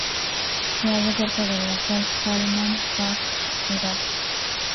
Se halla cerca de la actual Salman Pak, Irak.